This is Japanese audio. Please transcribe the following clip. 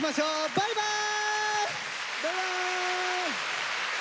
バイバーイ！